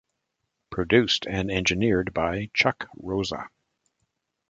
Produced and engineered by Chuck Rosa.